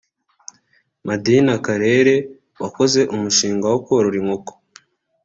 Madina Karere wakoze umushinga wo korora inkoko